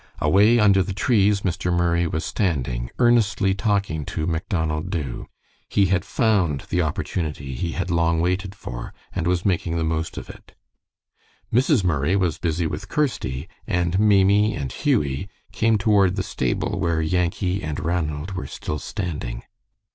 Away under the trees Mr. Murray was standing, earnestly talking to Macdonald Dubh. He had found the opportunity he had long waited for and was making the most of it. Mrs. Murray was busy with Kirsty, and Maimie and Hughie came toward the stable where Yankee and Ranald were still standing.